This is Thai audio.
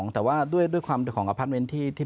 แต่ว่าด้วยความของอภัทรเว้นที่